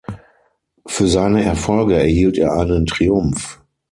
Für seine Erfolge erhielt er einen Triumph.